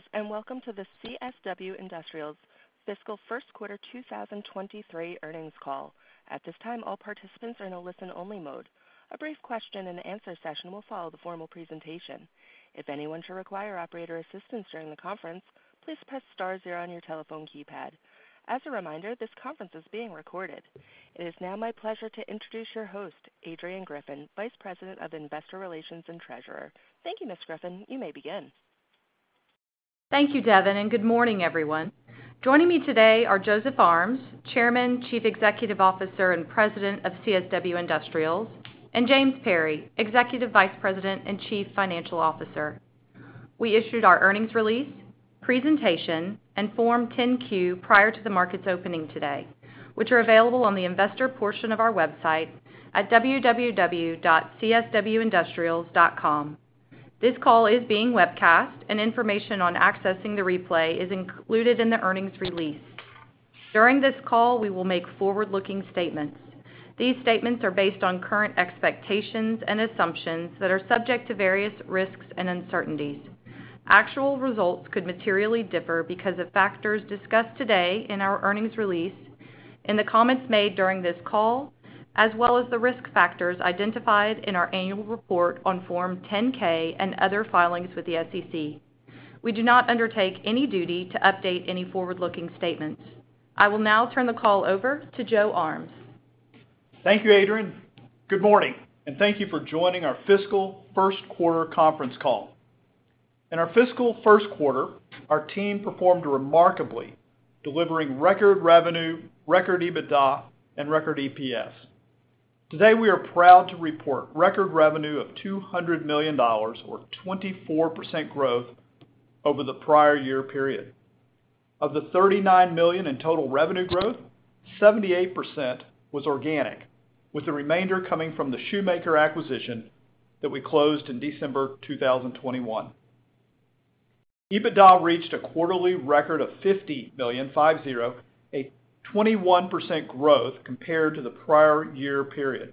Greetings, and welcome to the CSW Industrials' fiscal first quarter 2023 earnings call. At this time, all participants are in a listen-only mode. A brief question-and-answer session will follow the formal presentation. If anyone should require operator assistance during the conference, please press star zero on your telephone keypad. As a reminder, this conference is being recorded. It is now my pleasure to introduce your host, Adrianne Griffin, Vice President of Investor Relations and Treasurer. Thank you, Ms. Griffin. You may begin. Thank you, Devin, and good morning, everyone. Joining me today are Joe Armes, Chairman, Chief Executive Officer, and President of CSW Industrials, and James Perry, Executive Vice President and Chief Financial Officer. We issued our earnings release, presentation, and Form 10-Q prior to the market's opening today, which are available on the investor portion of our website at www.cswindustrials.com. This call is being webcast, and information on accessing the replay is included in the earnings release. During this call, we will make forward-looking statements. These statements are based on current expectations and assumptions that are subject to various risks and uncertainties. Actual results could materially differ because of factors discussed today in our earnings release and the comments made during this call, as well as the risk factors identified in our annual report on Form 10-K and other filings with the SEC. We do not undertake any duty to update any forward-looking statements. I will now turn the call over to Joe Armes. Thank you, Adrianne. Good morning, and thank you for joining our fiscal first quarter conference call. In our fiscal first quarter, our team performed remarkably, delivering record revenue, record EBITDA, and record EPS. Today, we are proud to report record revenue of $200 million or 24% growth over the prior year period. Of the $39 million in total revenue growth, 78% was organic, with the remainder coming from the Shoemaker acquisition that we closed in December 2021. EBITDA reached a quarterly record of $50.5 million, a 21% growth compared to the prior year period.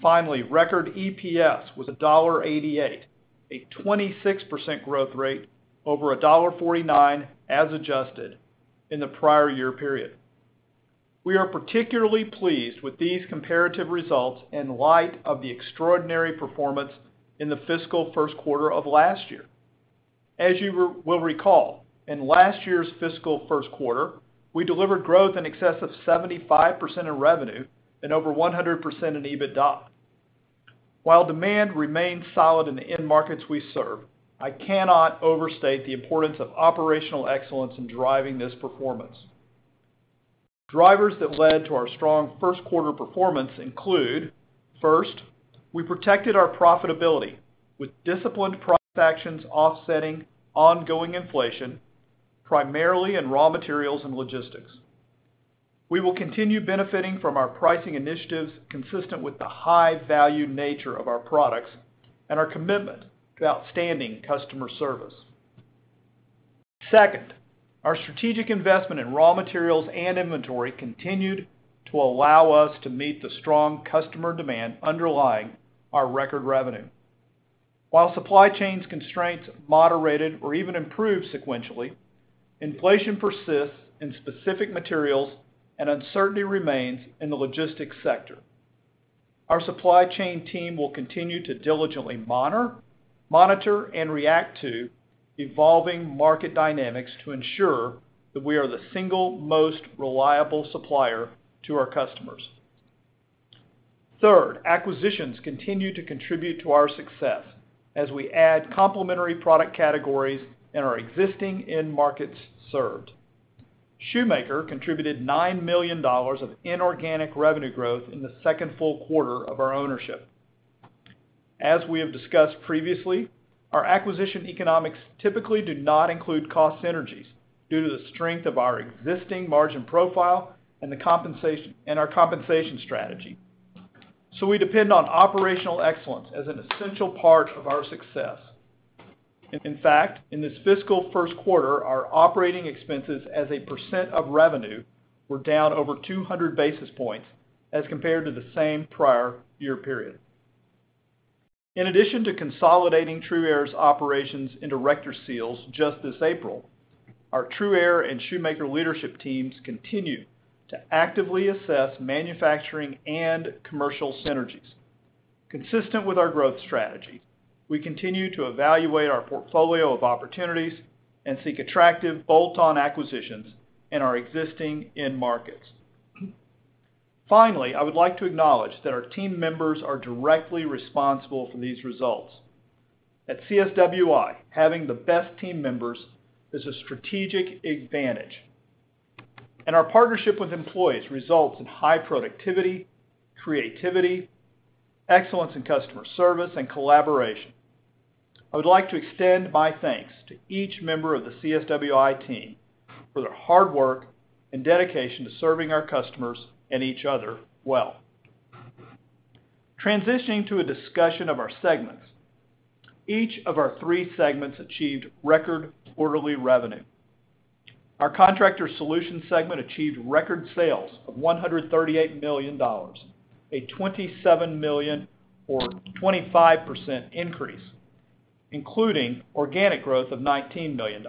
Finally, record EPS was $1.88, a 26% growth rate over $1.49 as adjusted in the prior year period. We are particularly pleased with these comparative results in light of the extraordinary performance in the fiscal first quarter of last year. As you will recall, in last year's fiscal first quarter, we delivered growth in excess of 75% in revenue and over 100% in EBITDA. While demand remains solid in the end markets we serve, I cannot overstate the importance of operational excellence in driving this performance. Drivers that led to our strong first quarter performance include, first, we protected our profitability with disciplined pricing actions offsetting ongoing inflation, primarily in raw materials and logistics. We will continue benefiting from our pricing initiatives consistent with the high-value nature of our products and our commitment to outstanding customer service. Second, our strategic investment in raw materials and inventory continued to allow us to meet the strong customer demand underlying our record revenue. While supply chain constraints moderated or even improved sequentially, inflation persists in specific materials and uncertainty remains in the logistics sector. Our supply chain team will continue to diligently monitor and react to evolving market dynamics to ensure that we are the single most reliable supplier to our customers. Third, acquisitions continue to contribute to our success as we add complementary product categories in our existing end markets served. Shoemaker contributed $9 million of inorganic revenue growth in the second full quarter of our ownership. As we have discussed previously, our acquisition economics typically do not include cost synergies due to the strength of our existing margin profile and our compensation strategy. We depend on operational excellence as an essential part of our success. In fact, in this fiscal first quarter, our operating expenses as a percent of revenue were down over 200 basis points as compared to the same prior year period. In addition to consolidating TRUaire's operations into RectorSeal just this April, our TRUaire and Shoemaker leadership teams continue to actively assess manufacturing and commercial synergies. Consistent with our growth strategy, we continue to evaluate our portfolio of opportunities and seek attractive bolt-on acquisitions in our existing end markets. Finally, I would like to acknowledge that our team members are directly responsible for these results. At CSWI, having the best team members is a strategic advantage, and our partnership with employees results in high productivity, creativity, excellence in customer service, and collaboration. I would like to extend my thanks to each member of the CSWI team for their hard work and dedication to serving our customers and each other well. Transitioning to a discussion of our segments. Each of our three segments achieved record quarterly revenue. Our Contractor Solutions segment achieved record sales of $138 million, a $27 million, or 25% increase, including organic growth of $19 million.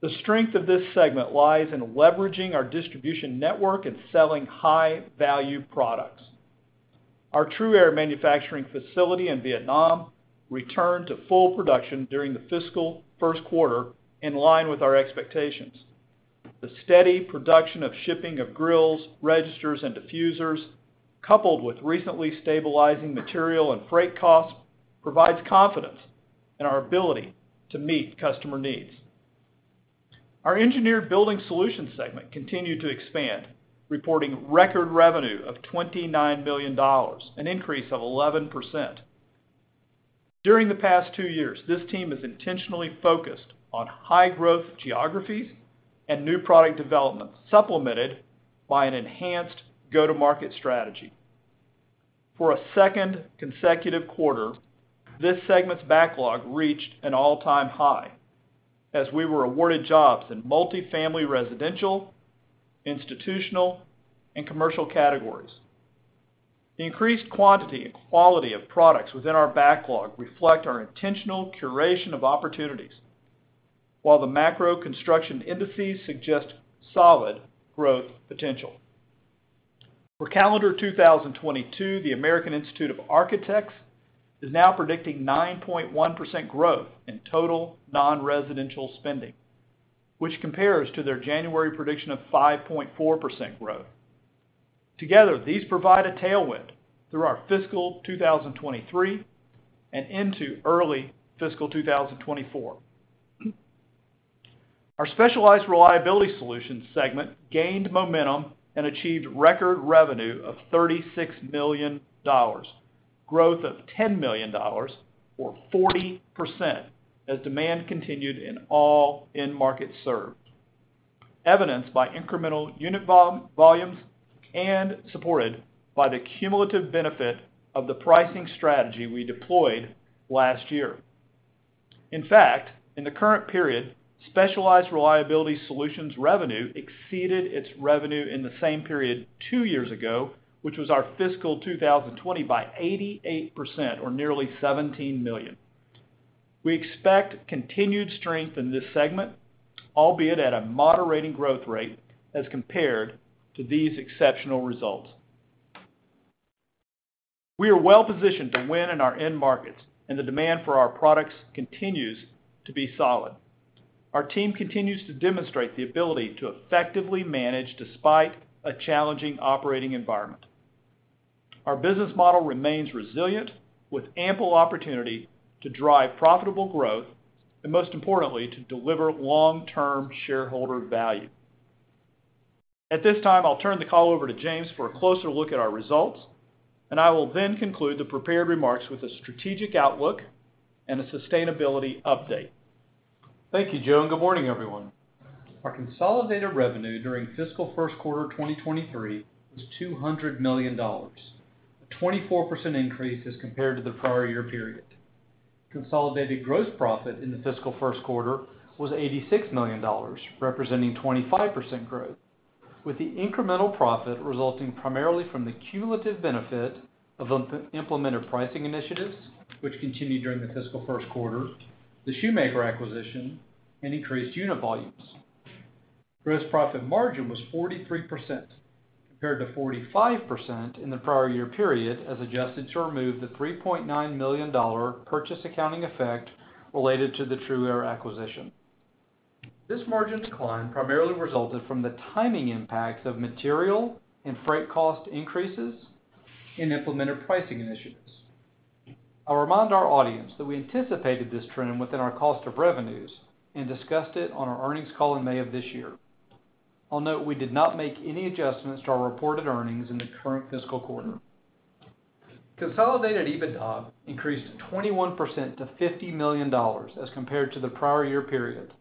The strength of this segment lies in leveraging our distribution network and selling high-value products. Our TRUaire manufacturing facility in Vietnam returned to full production during the fiscal first quarter, in line with our expectations. The steady production and shipping of grills, registers, and diffusers, coupled with recently stabilizing material and freight costs, provides confidence in our ability to meet customer needs. Our Engineered Building Solutions segment continued to expand, reporting record revenue of $29 million, an increase of 11%. During the past two years, this team has intentionally focused on high growth geographies and new product development, supplemented by an enhanced go-to-market strategy. For a second consecutive quarter, this segment's backlog reached an all-time high as we were awarded jobs in multifamily residential, institutional, and commercial categories. The increased quantity and quality of products within our backlog reflect our intentional curation of opportunities, while the macro construction indices suggest solid growth potential. For calendar 2022, the American Institute of Architects is now predicting 9.1% growth in total non-residential spending, which compares to their January prediction of 5.4% growth. Together, these provide a tailwind through our fiscal 2023 and into early fiscal 2024. Our Specialized Reliability Solutions segment gained momentum and achieved record revenue of $36 million, growth of $10 million or 40% as demand continued in all end markets served, evidenced by incremental unit volumes and supported by the cumulative benefit of the pricing strategy we deployed last year. In fact, in the current period, Specialized Reliability Solutions revenue exceeded its revenue in the same period two years ago, which was our fiscal 2020 by 88% or nearly $17 million. We expect continued strength in this segment, albeit at a moderating growth rate as compared to these exceptional results. We are well positioned to win in our end markets, and the demand for our products continues to be solid. Our team continues to demonstrate the ability to effectively manage despite a challenging operating environment. Our business model remains resilient, with ample opportunity to drive profitable growth and, most importantly, to deliver long-term shareholder value. At this time, I'll turn the call over to James for a closer look at our results, and I will then conclude the prepared remarks with a strategic outlook and a sustainability update. Thank you, Joe, and good morning, everyone. Our consolidated revenue during fiscal first quarter 2023 was $200 million, a 24% increase as compared to the prior year period. Consolidated gross profit in the fiscal first quarter was $86 million, representing 25% growth, with the incremental profit resulting primarily from the cumulative benefit of implemented pricing initiatives, which continued during the fiscal first quarter, the Shoemaker acquisition, and increased unit volumes. Gross profit margin was 43% compared to 45% in the prior year period as adjusted to remove the $3.9 million purchase accounting effect related to the TRUaire acquisition. This margin decline primarily resulted from the timing impact of material and freight cost increases and implemented pricing initiatives. I'll remind our audience that we anticipated this trend within our cost of revenues and discussed it on our earnings call in May of this year. I'll note we did not make any adjustments to our reported earnings in the current fiscal quarter. Consolidated EBITDA increased 21% to $50 million as compared to the prior year period,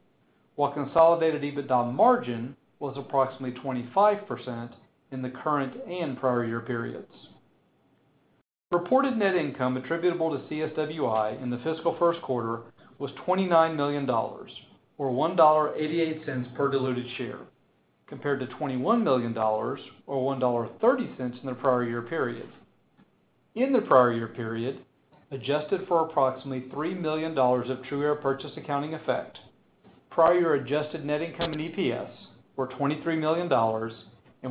while consolidated EBITDA margin was approximately 25% in the current and prior year periods. Reported net income attributable to CSWI in the fiscal first quarter was $29 million or $1.88 per diluted share, compared to $21 million or $1.30 in the prior year period. In the prior year period, adjusted for approximately $3 million of TRUaire purchase accounting effect, prior adjusted net income and EPS were $23 million and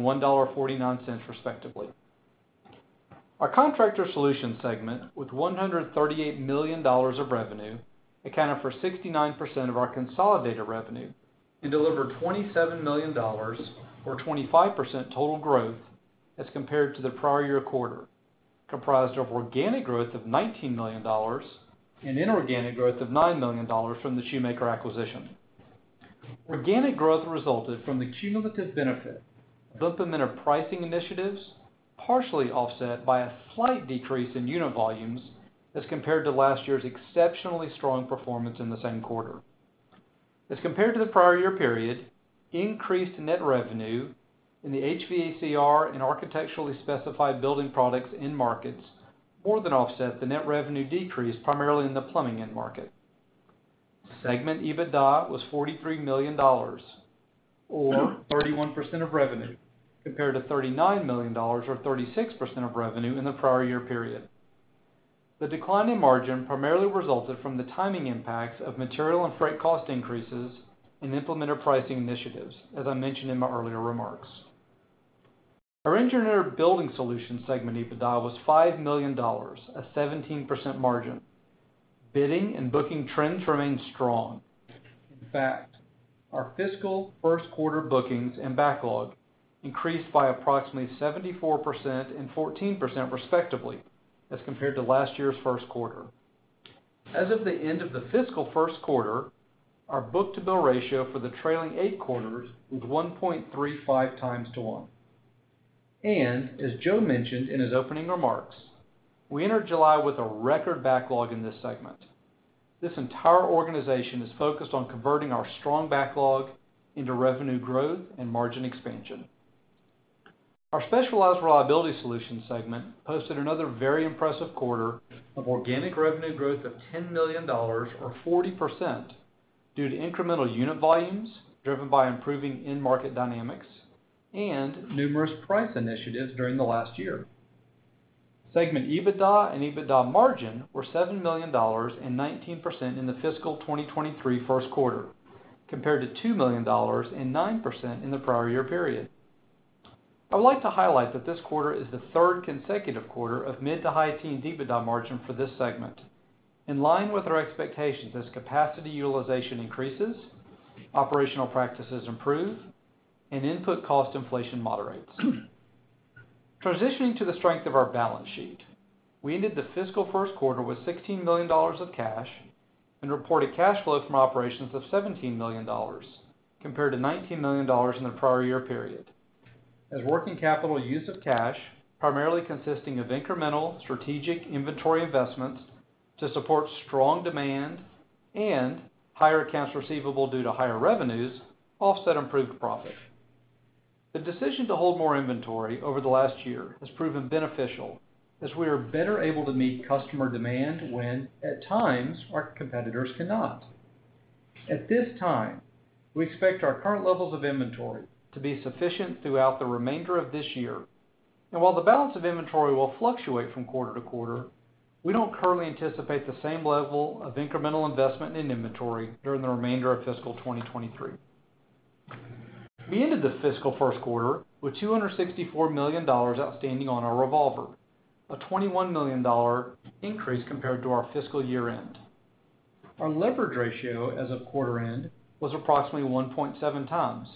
$1.49, respectively. Our Contractor Solutions segment, with $138 million of revenue, accounted for 69% of our consolidated revenue and delivered $27 million or 25% total growth as compared to the prior year quarter, comprised of organic growth of $19 million and inorganic growth of $9 million from the Shoemaker acquisition. Organic growth resulted from the cumulative benefit of implemented pricing initiatives, partially offset by a slight decrease in unit volumes as compared to last year's exceptionally strong performance in the same quarter. As compared to the prior year period, increased net revenue in the HVACR and Architecturally Specified Building Products end markets more than offset the net revenue decrease primarily in the plumbing end market. Segment EBITDA was $43 million or 31% of revenue compared to $39 million or 36% of revenue in the prior year period. The decline in margin primarily resulted from the timing impacts of material and freight cost increases and implementer pricing initiatives, as I mentioned in my earlier remarks. Our Engineered Building Solutions segment EBITDA was $5 million, a 17% margin. Bidding and booking trends remain strong. In fact, our fiscal first quarter bookings and backlog increased by approximately 74% and 14% respectively as compared to last year's first quarter. As of the end of the fiscal first quarter, our book-to-bill ratio for the trailing eight quarters was 1.35 times to one. As Joe mentioned in his opening remarks, we entered July with a record backlog in this segment. This entire organization is focused on converting our strong backlog into revenue growth and margin expansion. Our Specialized Reliability Solutions segment posted another very impressive quarter of organic revenue growth of $10 million or 40% due to incremental unit volumes driven by improving end market dynamics and numerous price initiatives during the last year. Segment EBITDA and EBITDA margin were $7 million and 19% in the fiscal 2023 first quarter compared to $2 million and 9% in the prior year period. I would like to highlight that this quarter is the third consecutive quarter of mid- to high-teen EBITDA margin for this segment, in line with our expectations as capacity utilization increases, operational practices improve, and input cost inflation moderates. Transitioning to the strength of our balance sheet, we ended the fiscal first quarter with $16 million of cash and reported cash flow from operations of $17 million compared to $19 million in the prior year period. As working capital used cash, primarily consisting of incremental strategic inventory investments to support strong demand and higher accounts receivable due to higher revenues offset improved profit. The decision to hold more inventory over the last year has proven beneficial as we are better able to meet customer demand when at times our competitors cannot. At this time, we expect our current levels of inventory to be sufficient throughout the remainder of this year. While the balance of inventory will fluctuate from quarter to quarter, we don't currently anticipate the same level of incremental investment in inventory during the remainder of fiscal 2023. We ended the fiscal first quarter with $264 million outstanding on our revolver, a $21 million increase compared to our fiscal year-end. Our leverage ratio as of quarter end was approximately 1.7x,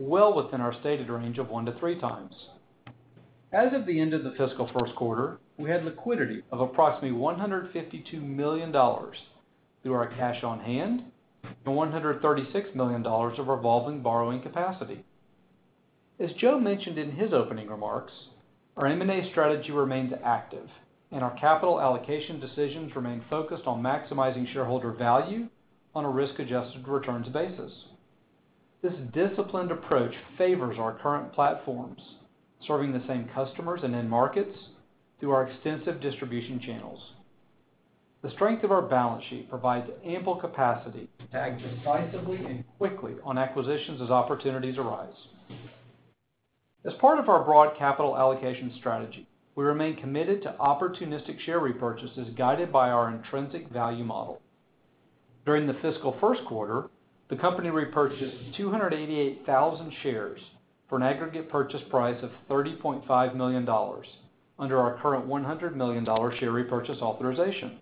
well within our stated range of 1-3x. As of the end of the fiscal first quarter, we had liquidity of approximately $152 million through our cash on hand and $136 million of revolving borrowing capacity. As Joe mentioned in his opening remarks, our M&A strategy remains active and our capital allocation decisions remain focused on maximizing shareholder value on a risk-adjusted returns basis. This disciplined approach favors our current platforms, serving the same customers and end markets through our extensive distribution channels. The strength of our balance sheet provides ample capacity to act decisively and quickly on acquisitions as opportunities arise. As part of our broad capital allocation strategy, we remain committed to opportunistic share repurchases guided by our intrinsic value model. During the fiscal first quarter, the company repurchased 288,000 shares for an aggregate purchase price of $30.5 million under our current $100 million share repurchase authorization.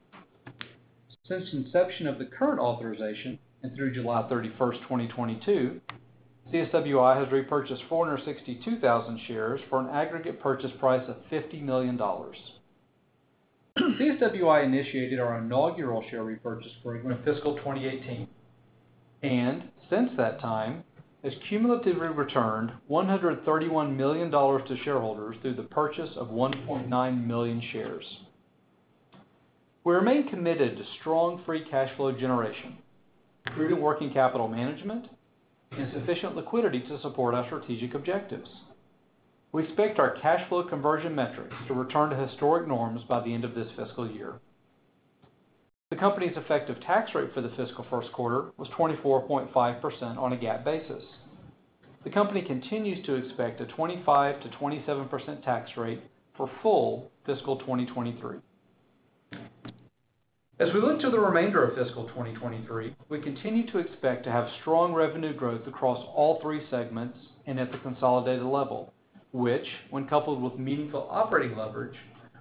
Since inception of the current authorization and through July 31, 2022, CSWI has repurchased 462,000 shares for an aggregate purchase price of $50 million. CSWI initiated our inaugural share repurchase program in fiscal 2018, and since that time has cumulatively returned $131 million to shareholders through the purchase of 1.9 million shares. We remain committed to strong free cash flow generation, prudent working capital management, and sufficient liquidity to support our strategic objectives. We expect our cash flow conversion metrics to return to historic norms by the end of this fiscal year. The company's effective tax rate for the fiscal first quarter was 24.5% on a GAAP basis. The company continues to expect a 25%-27% tax rate for full fiscal 2023. As we look to the remainder of fiscal 2023, we continue to expect to have strong revenue growth across all three segments and at the consolidated level, which when coupled with meaningful operating leverage,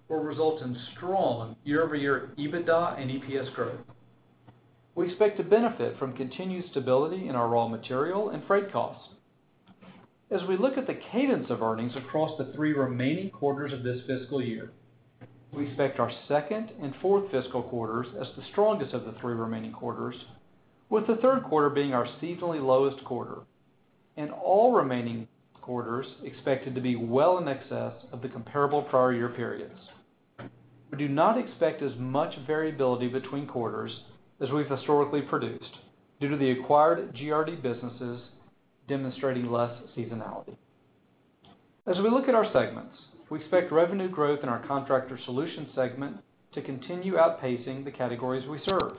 will result in strong year-over-year EBITDA and EPS growth. We expect to benefit from continued stability in our raw material and freight costs. As we look at the cadence of earnings across the three remaining quarters of this fiscal year, we expect our second and fourth fiscal quarters as the strongest of the three remaining quarters, with the third quarter being our seasonally lowest quarter, and all remaining quarters expected to be well in excess of the comparable prior year periods. We do not expect as much variability between quarters as we've historically produced due to the acquired GRD businesses demonstrating less seasonality. As we look at our segments, we expect revenue growth in our Contractor Solutions segment to continue outpacing the categories we serve.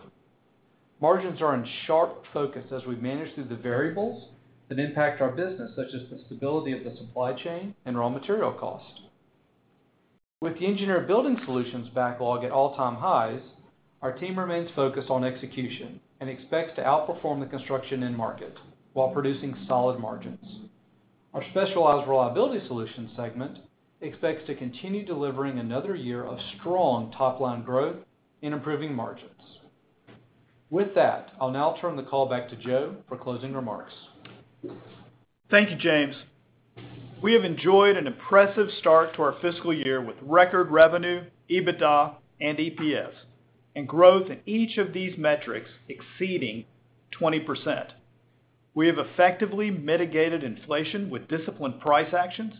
Margins are in sharp focus as we manage through the variables that impact our business, such as the stability of the supply chain and raw material costs. With Engineered Building Solutions backlog at all-time highs, our team remains focused on execution and expects to outperform the construction end market while producing solid margins. Our Specialized Reliability Solutions segment expects to continue delivering another year of strong top-line growth in improving margins. With that, I'll now turn the call back to Joe for closing remarks. Thank you, James. We have enjoyed an impressive start to our fiscal year with record revenue, EBITDA, and EPS, and growth in each of these metrics exceeding 20%. We have effectively mitigated inflation with disciplined price actions,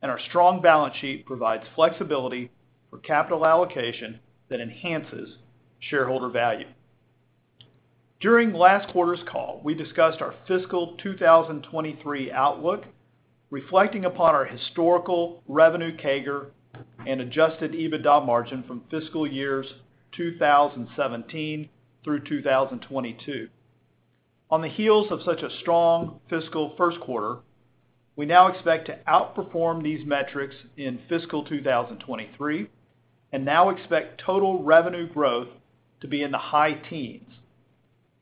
and our strong balance sheet provides flexibility for capital allocation that enhances shareholder value. During last quarter's call, we discussed our fiscal 2023 outlook, reflecting upon our historical revenue CAGR and Adjusted EBITDA margin from fiscal years 2017 through 2022. On the heels of such a strong fiscal first quarter, we now expect to outperform these metrics in fiscal 2023 and now expect total revenue growth to be in the high teens%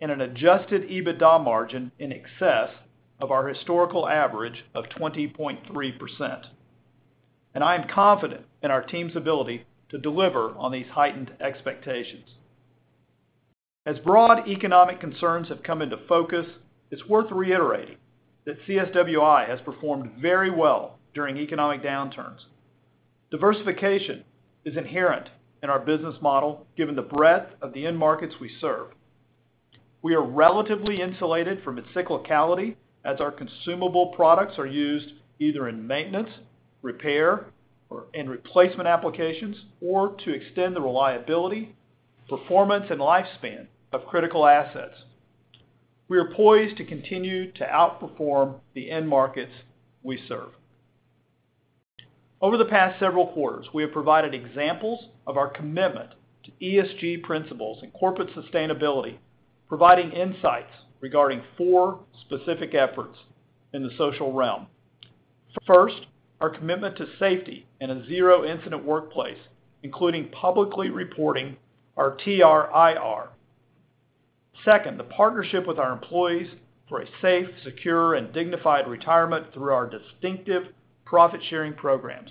and an Adjusted EBITDA margin in excess of our historical average of 20.3%. I am confident in our team's ability to deliver on these heightened expectations. As broad economic concerns have come into focus, it's worth reiterating that CSWI has performed very well during economic downturns. Diversification is inherent in our business model, given the breadth of the end markets we serve. We are relatively insulated from its cyclicality as our consumable products are used either in maintenance, repair, or in replacement applications or to extend the reliability, performance, and lifespan of critical assets. We are poised to continue to outperform the end markets we serve. Over the past several quarters, we have provided examples of our commitment to ESG principles and corporate sustainability, providing insights regarding four specific efforts in the social realm. First, our commitment to safety and a zero-incident workplace, including publicly reporting our TRIR. Second, the partnership with our employees for a safe, secure, and dignified retirement through our distinctive profit-sharing programs.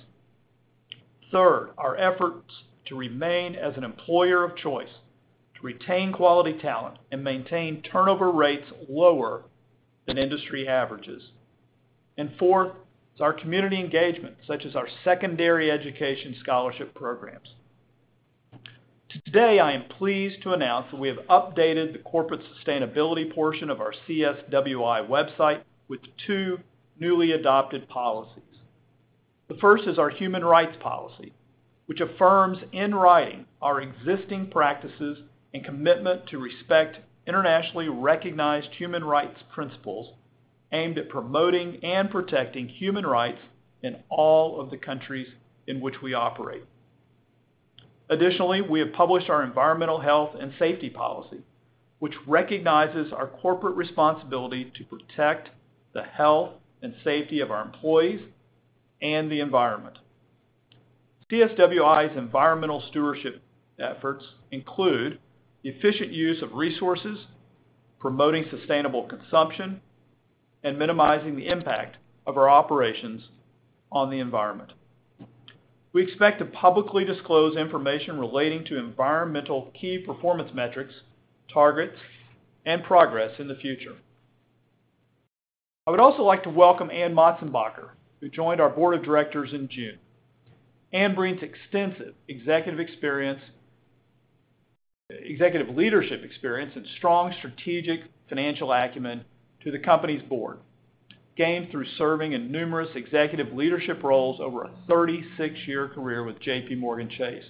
Third, our efforts to remain as an employer of choice to retain quality talent and maintain turnover rates lower than industry averages. Fourth is our community engagement, such as our secondary education scholarship programs. Today, I am pleased to announce that we have updated the corporate sustainability portion of our CSWI website with two newly adopted policies. The first is our human rights policy, which affirms in writing our existing practices and commitment to respect internationally recognized human rights principles aimed at promoting and protecting human rights in all of the countries in which we operate. Additionally, we have published our environmental health and safety policy, which recognizes our corporate responsibility to protect the health and safety of our employees and the environment. CSWI's environmental stewardship efforts include the efficient use of resources, promoting sustainable consumption, and minimizing the impact of our operations on the environment. We expect to publicly disclose information relating to environmental key performance metrics, targets, and progress in the future. I would also like to welcome Anne Motsenbocker, who joined our board of directors in June. Anne brings extensive executive leadership experience and strong strategic financial acumen to the company's board, gained through serving in numerous executive leadership roles over a 36-year career with JPMorgan Chase.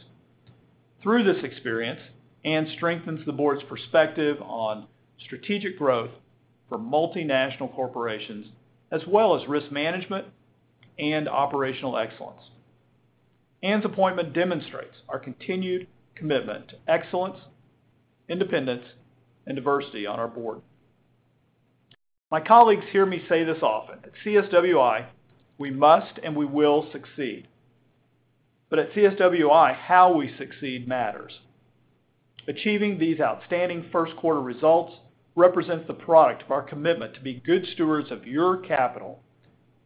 Through this experience, Anne strengthens the board's perspective on strategic growth for multinational corporations, as well as risk management and operational excellence. Anne's appointment demonstrates our continued commitment to excellence, independence, and diversity on our board. My colleagues hear me say this often, at CSWI, we must and we will succeed. At CSWI, how we succeed matters. Achieving these outstanding first quarter results represents the product of our commitment to be good stewards of your capital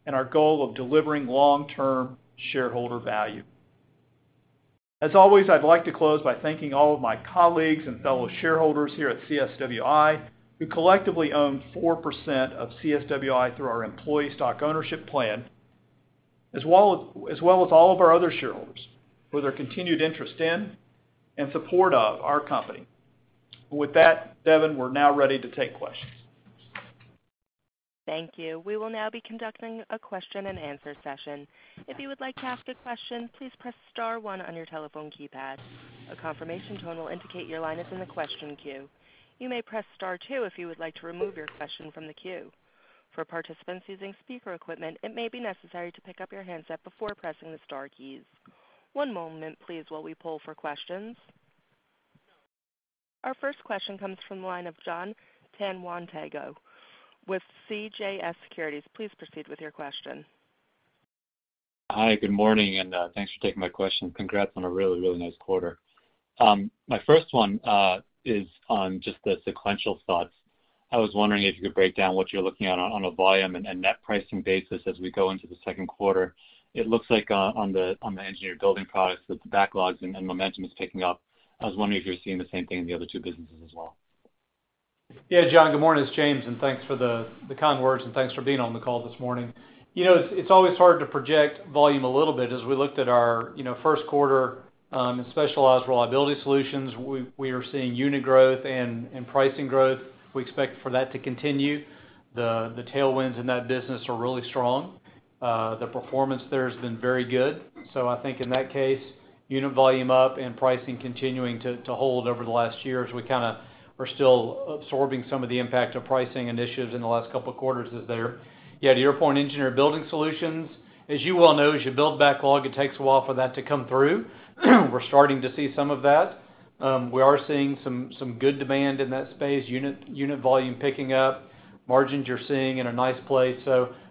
and our goal of delivering long-term shareholder value. As always, I'd like to close by thanking all of my colleagues and fellow shareholders here at CSWI, who collectively own 4% of CSWI through our employee stock ownership plan, as well as all of our other shareholders for their continued interest in and support of our company. With that, Devin, we're now ready to take questions. Thank you. We will now be conducting a question-and-answer session. If you would like to ask a question, please press star one on your telephone keypad. A confirmation tone will indicate your line is in the question queue. You may press star two if you would like to remove your question from the queue. For participants using speaker equipment, it may be necessary to pick up your handset before pressing the star keys. One moment please while we poll for questions. Our first question comes from the line of Jon Tanwanteng with CJS Securities. Please proceed with your question. Hi, good morning, and thanks for taking my question. Congrats on a really, really nice quarter. My first one is on just the sequential thoughts. I was wondering if you could break down what you're looking at on a volume and net pricing basis as we go into the second quarter. It looks like, on the engineered building products, that the backlogs and momentum is picking up. I was wondering if you're seeing the same thing in the other two businesses as well. Yeah, John, good morning. It's James, and thanks for the kind words, and thanks for being on the call this morning. You know, it's always hard to project volume a little bit. As we looked at our, you know, first quarter, Specialized Reliability Solutions, we are seeing unit growth and pricing growth. We expect for that to continue. The tailwinds in that business are really strong. The performance there has been very good. So, I think in that case, unit volume up and pricing continuing to hold over the last year as we kinda are still absorbing some of the impact of pricing initiatives in the last couple of quarters is there. Yeah, to your point, Engineered Building Solutions. As you well know, as you build backlog, it takes a while for that to come through. We're starting to see some of that. We are seeing some good demand in that space, unit volume picking up. Margins, you're seeing in a nice place.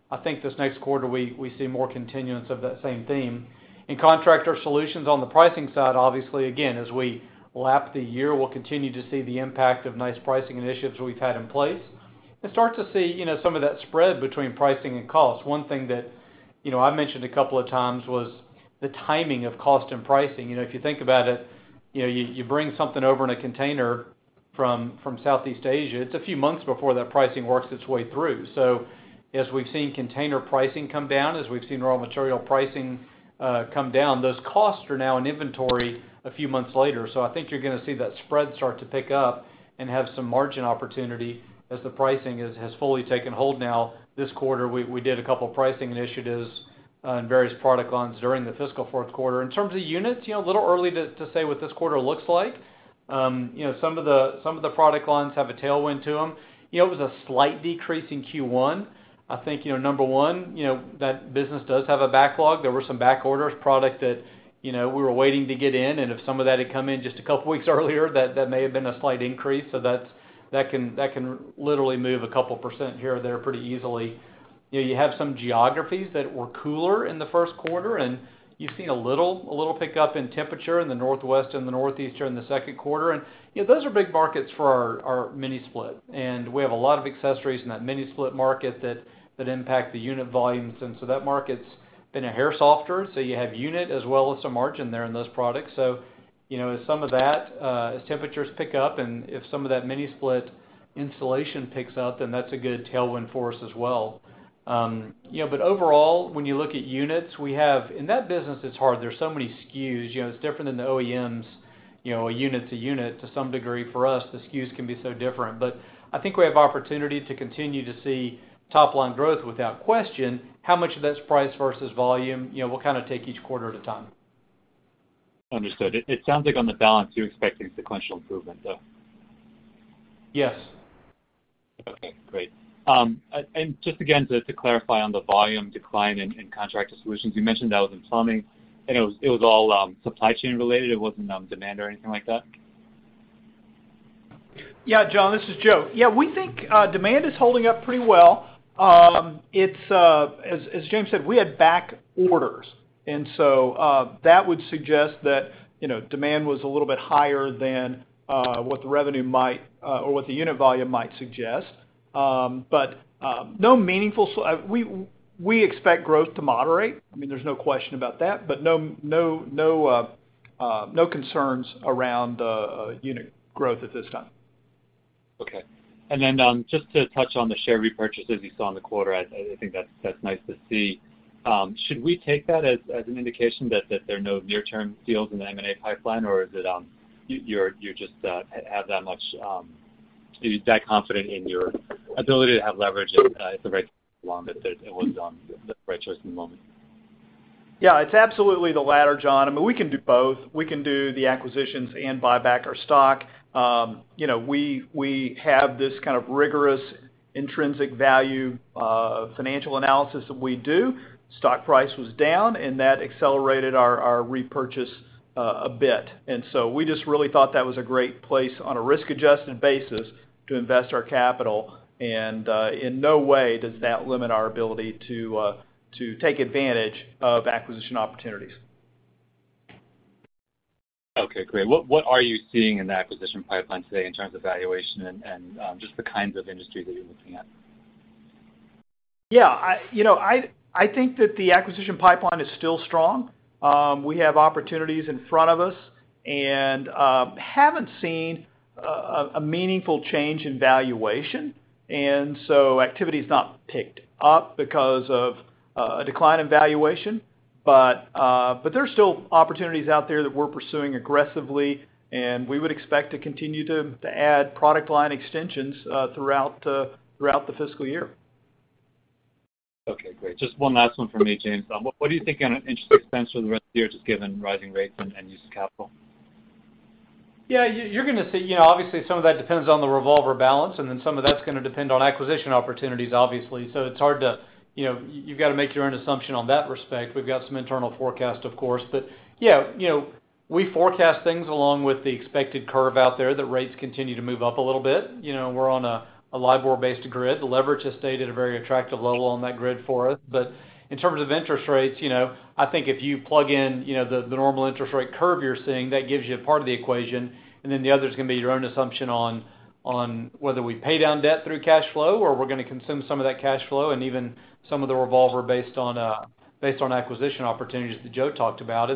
I think this next quarter, we see more continuance of that same theme. In Contractor Solutions, on the pricing side, obviously, again, as we lap the year, we'll continue to see the impact of nice pricing initiatives we've had in place and start to see, you know, some of that spread between pricing and cost. One thing that, you know, I mentioned a couple of times was the timing of cost and pricing. You know, if you think about it, you know, you bring something over in a container from Southeast Asia, it's a few months before that pricing works its way through. As we've seen container pricing come down, as we've seen raw material pricing come down, those costs are now in inventory a few months later. I think you're gonna see that spread start to pick up and have some margin opportunity as the pricing has fully taken hold now. This quarter, we did a couple of pricing initiatives in various product lines during the fiscal fourth quarter. In terms of units, you know, a little early to say what this quarter looks like. You know, some of the product lines have a tailwind to them. You know, it was a slight decrease in Q1. I think, you know, number one, you know, that business does have a backlog. There were some back orders, product that, you know, we were waiting to get in, and if some of that had come in just a couple of weeks earlier, that may have been a slight increase. That can literally move a couple% here or there pretty easily. You know, you have some geographies that were cooler in the first quarter, and you've seen a little pickup in temperature in the Northwest and the Northeast during the second quarter. You know, those are big markets for our mini split. We have a lot of accessories in that mini split market that impact the unit volumes. That market's been a hair softer, so you have unit as well as some margin there in those products. You know, as some of that, as temperatures pick up and if some of that mini split installation picks up, then that's a good tailwind for us as well. You know, overall, when you look at units in that business, it's hard. There's so many SKUs. You know, it's different than the OEMs. You know, a unit to some degree. For us, the SKUs can be so different. I think we have opportunity to continue to see top line growth without question. How much of that's price versus volume, you know, we'll kind of take each quarter at a time. Understood. It sounds like on balance, you're expecting sequential improvement, though. Yes. Okay, great. Just to clarify on the volume decline in Contractor Solutions, you mentioned that was in plumbing, and it was all supply chain related. It wasn't demand or anything like that? Yeah, Jon, this is Joe. Yeah. We think demand is holding up pretty well. It's as James said, we had back orders, and so that would suggest that, you know, demand was a little bit higher than what the revenue might or what the unit volume might suggest. But we expect growth to moderate. I mean, there's no question about that, but no concerns around unit growth at this time. Okay. Just to touch on the share repurchases you saw in the quarter, I think that's nice to see. Should we take that as an indication that there are no near-term deals in the M&A pipeline, or is it you're just that confident in your ability to have leverage and it's the right allocation that it was the right choice in the moment? Yeah, it's absolutely the latter, Jon. I mean, we can do both. We can do the acquisitions and buy back our stock. You know, we have this kind of rigorous intrinsic value financial analysis that we do. Stock price was down, and that accelerated our repurchase a bit. In no way does that limit our ability to take advantage of acquisition opportunities. Okay, great. What are you seeing in the acquisition pipeline today in terms of valuation and just the kinds of industry that you're looking at? Yeah, you know, I think that the acquisition pipeline is still strong. We have opportunities in front of us and haven't seen a meaningful change in valuation. Activity is not picked up because of a decline in valuation. There's still opportunities out there that we're pursuing aggressively, and we would expect to continue to add product line extensions throughout the fiscal year. Okay, great. Just one last one from me, James. What are you thinking on interest expense for the rest of the year, just given rising rates and use of capital? Yeah, you're gonna see, you know, obviously, some of that depends on the revolver balance, and then some of that's gonna depend on acquisition opportunities, obviously. It's hard to, you know, you've gotta make your own assumption in that respect. We've got some internal forecast, of course. Yeah, you know, we forecast things along with the expected curve out there that rates continue to move up a little bit. You know, we're on a LIBOR-based grid. The leverage has stayed at a very attractive level on that grid for us. In terms of interest rates, you know, I think if you plug in, you know, the normal interest rate curve you're seeing, that gives you part of the equation. The other's gonna be your own assumption on whether we pay down debt through cash flow or we're gonna consume some of that cash flow and even some of the revolver based on acquisition opportunities that Joe talked about.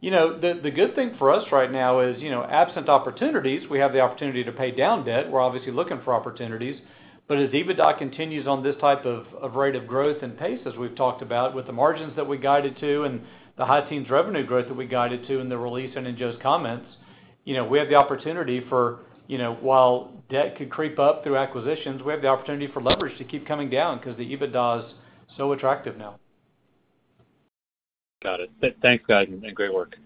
You know, the good thing for us right now is, you know, absent opportunities, we have the opportunity to pay down debt. We're obviously looking for opportunities. As EBITDA continues on this type of rate of growth and pace as we've talked about with the margins that we guided to and the high teens revenue growth that we guided to in the release and in Joe's comments, you know, we have the opportunity for, you know, while debt could creep up through acquisitions, we have the opportunity for leverage to keep coming down because the EBITDA is so attractive now. Got it. Thanks, guys, and great work.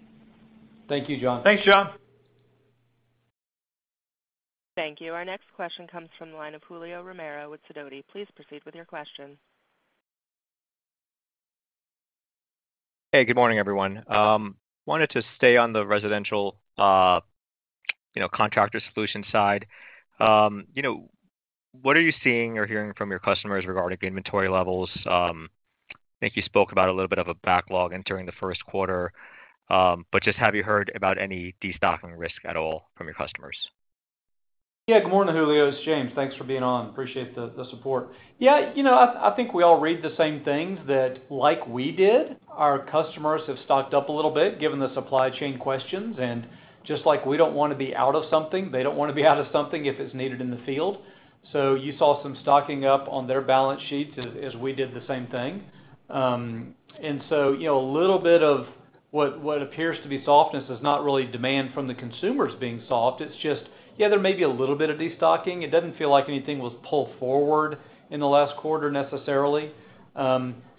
Thank you, Jon. Thanks, Jon. Thank you. Our next question comes from the line of Julio Romero with Sidoti. Please proceed with your question. Hey, good morning, everyone. Wanted to stay on the residential, you know, Contractor Solutions side. You know, what are you seeing or hearing from your customers regarding inventory levels? I think you spoke about a little bit of a backlog entering the first quarter, but just have you heard about any destocking risk at all from your customers? Yeah. Good morning, Julio. It's James. Thanks for being on. Appreciate the support. Yeah, you know, I think we all read the same things that like we did, our customers have stocked up a little bit given the supply chain questions. Just like we don't wanna be out of something, they don't wanna be out of something if it's needed in the field. You saw some stocking up on their balance sheets as we did the same thing. You know, a little bit of what appears to be softness is not really demand from the consumers being soft. It's just, yeah, there may be a little bit of destocking. It doesn't feel like anything was pulled forward in the last quarter necessarily.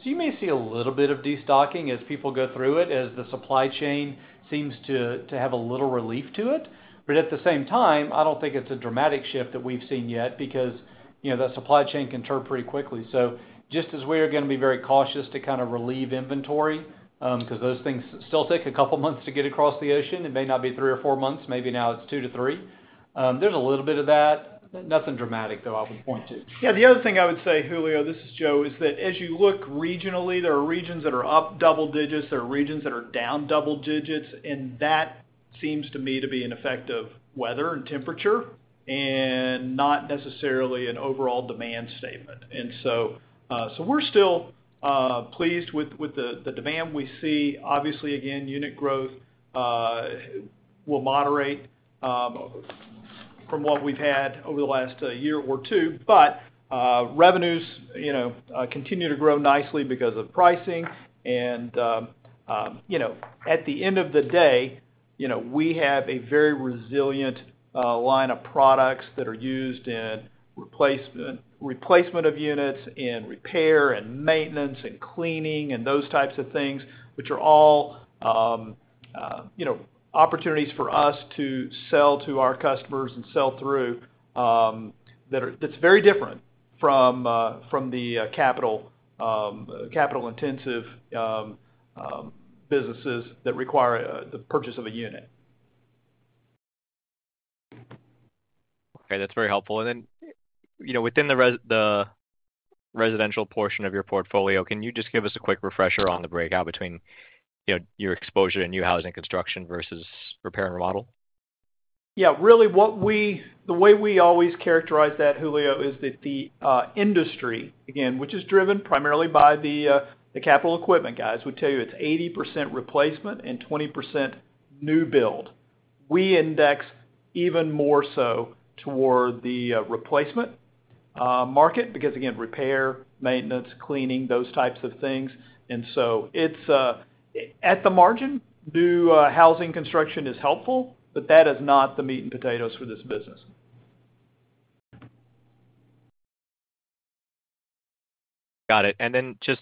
You may see a little bit of destocking as people go through it, as the supply chain seems to have a little relief to it. At the same time, I don't think it's a dramatic shift that we've seen yet because, you know, the supply chain can turn pretty quickly. Just as we are gonna be very cautious to kind of relieve inventory, 'cause those things still take a couple months to get across the ocean. It may not be three or four months, maybe now it's two to three. There's a little bit of that. Nothing dramatic, though, I would point to. Yeah. The other thing I would say, Julio, this is Joe, is that as you look regionally, there are regions that are up double digits, there are regions that are down double digits, and that seems to me to be an effect of weather and temperature and not necessarily an overall demand statement. We're still pleased with the demand we see. Obviously, again, unit growth will moderate from what we've had over the last year or two. But revenues, you know, continue to grow nicely because of pricing. At the end of the day, you know, we have a very resilient line of products that are used in replacement of units, in repair and maintenance and cleaning and those types of things, which are all, you know, opportunities for us to sell to our customers and sell through, that's very different from the capital intensive businesses that require the purchase of a unit. Okay. That's very helpful. Then, you know, within the residential portion of your portfolio, can you just give us a quick refresher on the breakout between, you know, your exposure in new housing construction versus repair and remodel? Yeah. Really the way we always characterize that, Julio, is that the industry, again, which is driven primarily by the capital equipment guys, would tell you it's 80% replacement and 20% new build. We index even more so toward the replacement market because, again, repair, maintenance, cleaning, those types of things. It's at the margin, new housing construction is helpful, but that is not the meat and potatoes for this business. Got it. Just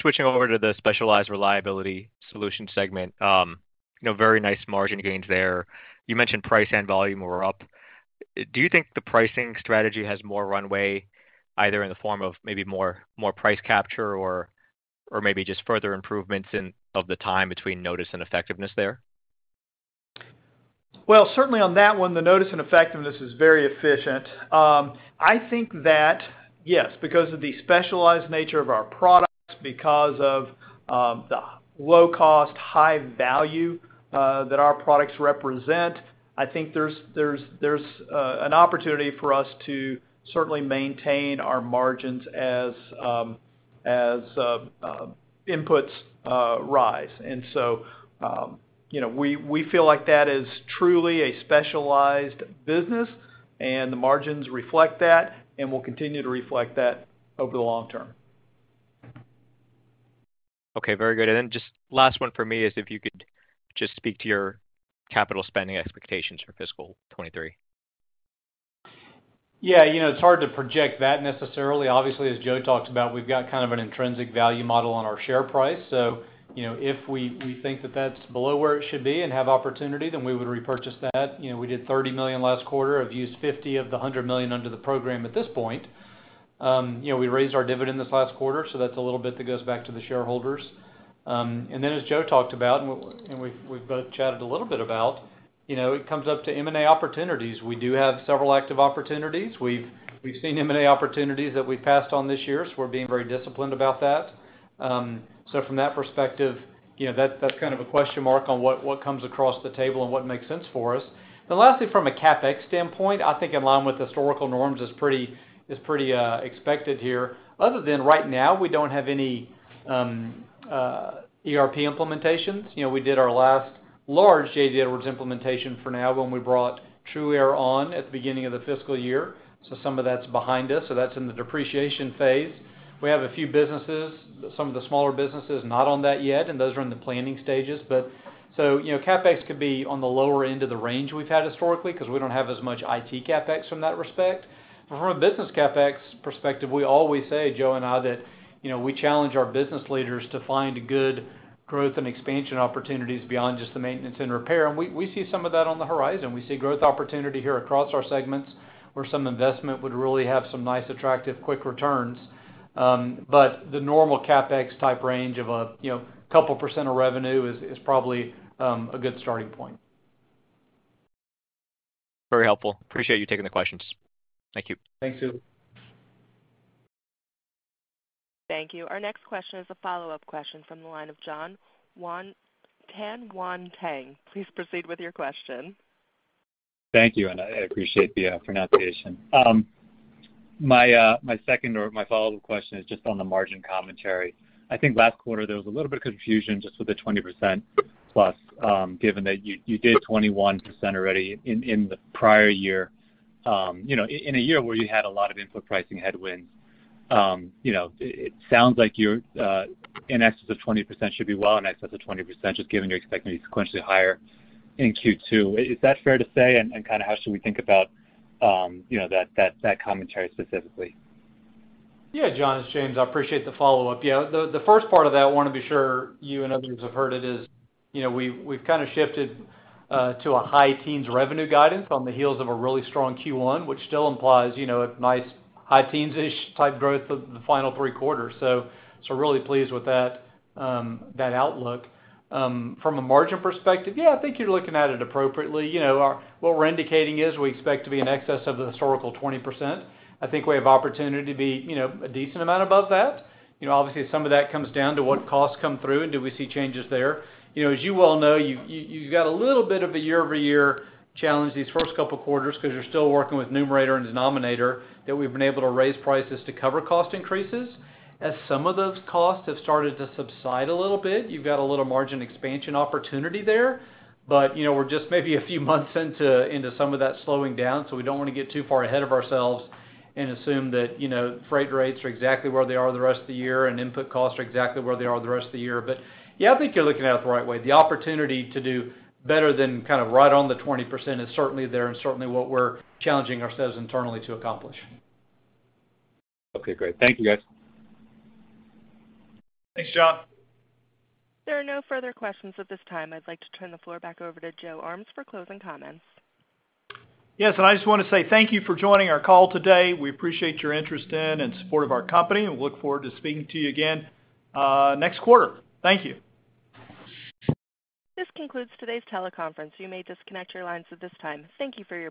switching over to the Specialized Reliability Solutions segment. Very nice margin gains there. You mentioned price and volume were up. Do you think the pricing strategy has more runway, either in the form of maybe more price capture or maybe just further improvements in the time between notice and effectiveness there? Well, certainly on that one, the pricing and effectiveness is very efficient. I think that, yes, because of the specialized nature of our products, because of the low cost, high value that our products represent, I think there's an opportunity for us to certainly maintain our margins as inputs rise. You know, we feel like that is truly a specialized business and the margins reflect that and will continue to reflect that over the long term. Okay. Very good. Just last one for me is if you could just speak to your capital spending expectations for fiscal 2023. Yeah. You know, it's hard to project that necessarily. Obviously, as Joe talked about, we've got kind of an intrinsic value model on our share price. You know, if we think that that's below where it should be and have opportunity, then we would repurchase that. You know, we did $30 million last quarter. I've used $50 million of the $100 million under the program at this point. You know, we raised our dividend this last quarter, so that's a little bit that goes back to the shareholders. As Joe talked about and we've both chatted a little bit about, you know, it comes down to M&A opportunities. We do have several active opportunities. We've seen M&A opportunities that we've passed on this year, so we're being very disciplined about that. From that perspective, you know, that's kind of a question mark on what comes across the table and what makes sense for us. Lastly, from a CapEx standpoint, I think in line with historical norms is pretty expected here. Other than right now, we don't have any ERP implementations. You know, we did our last large J.D. Edwards implementation for now when we brought TRUaire on at the beginning of the fiscal year. Some of that's behind us. That's in the depreciation phase. We have a few businesses, some of the smaller businesses not on that yet, and those are in the planning stages. You know, CapEx could be on the lower end of the range we've had historically because we don't have as much IT CapEx from that respect. From a business CapEx perspective, we always say, Joe and I, that, you know, we challenge our business leaders to find good growth and expansion opportunities beyond just the maintenance and repair. We see some of that on the horizon. We see growth opportunity here across our segments where some investment would really have some nice, attractive, quick returns. The normal CapEx type range of, you know, couple% of revenue is probably a good starting point. Very helpful. Appreciate you taking the questions. Thank you. Thanks, Julio. Thank you. Our next question is a follow-up question from the line of Jon Tanwanteng. Please proceed with your question. Thank you. I appreciate the pronunciation. My second or my follow-up question is just on the margin commentary. I think last quarter there was a little bit of confusion just with the 20%+, given that you did 21% already in the prior year, you know, in a year where you had a lot of input pricing headwinds. You know, it sounds like your in excess of 20% should be well in excess of 20%, just given you're expecting sequentially higher in Q2. Is that fair to say? Kind of how should we think about, you know, that commentary specifically? Yeah, John, it's James. I appreciate the follow-up. Yeah, the first part of that I wanna be sure you and others have heard it is, you know, we've kind of shifted to a high teens revenue guidance on the heels of a really strong Q1, which still implies, you know, a nice high teens-ish type growth of the final three quarters. Really pleased with that outlook. From a margin perspective, yeah, I think you're looking at it appropriately. You know, what we're indicating is we expect to be in excess of the historical 20%. I think we have opportunity to be, you know, a decent amount above that. You know, obviously some of that comes down to what costs come through and do we see changes there. You know, as you well know, you've got a little bit of a year-over-year challenge these first couple quarters 'cause you're still working with numerator and denominator, that we've been able to raise prices to cover cost increases. As some of those costs have started to subside a little bit, you've got a little margin expansion opportunity there. You know, we're just maybe a few months into some of that slowing down, so we don't wanna get too far ahead of ourselves and assume that, you know, freight rates are exactly where they are the rest of the year and input costs are exactly where they are the rest of the year. Yeah, I think you're looking at it the right way. The opportunity to do better than kind of right on the 20% is certainly there and certainly what we're challenging ourselves internally to accomplish. Okay, great. Thank you, guys. Thanks, Jon. There are no further questions at this time. I'd like to turn the floor back over to Joe Armes for closing comments. Yes, I just wanna say thank you for joining our call today. We appreciate your interest in and support of our company, and we look forward to speaking to you again, next quarter. Thank you. This concludes today's teleconference. You may disconnect your lines at this time. Thank you for your participation.